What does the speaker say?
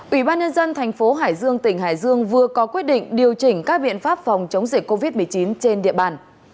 ủy ban nhân dân thành phố hải dương tỉnh hải dương vừa có quyết định điều chỉnh các biện pháp phòng chống dịch covid một mươi chín trên địa bàn